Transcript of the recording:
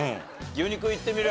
牛肉いってみる？